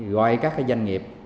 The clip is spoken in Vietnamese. gọi các cái doanh nghiệp